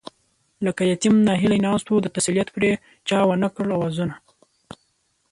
لکه يتيم ناهيلی ناست وو، د تسليت پرې چا ونکړل آوازونه